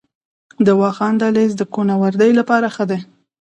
د واخان دهلیز د کوه نوردۍ لپاره ښه دی؟